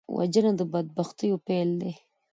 وژنه د بدبختیو پیل دی